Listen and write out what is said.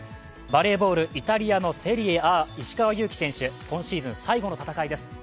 バレーボール、イタリアのセリエＡ、石川祐希選手、今シーズン最後の戦いです。